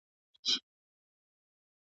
غرونه د سیل ځایونه دي.